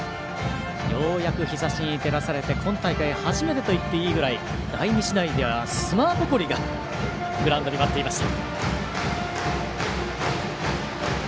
ようやく日ざしに照らされて今大会初めてといっていいぐらい第２試合では砂ぼこりがグラウンドに舞っていました。